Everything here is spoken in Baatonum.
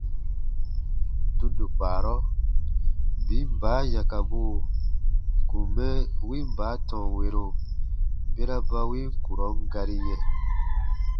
Tundo kpaarɔ, biin baa yãkabuu n kùn mɛ win baa tɔnwero bera ba win kurɔn gari yɛ̃,